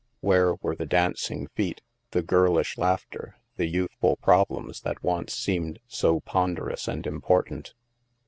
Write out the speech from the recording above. Where were the dancing feet, the girlish laughter, the youthful problems that once seemed so ponderous and important?